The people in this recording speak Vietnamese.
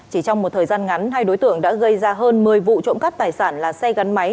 chỉ trong một thời gian ngắn hai đối tượng đã gây ra hơn một mươi vụ trộm cắp tài sản là xe gắn máy